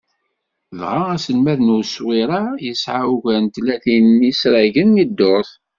Dɣa aselmad n uswir-a, yesεa ugar n tlatin n yisragen i ddurt.